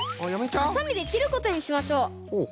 ハサミできることにしましょう。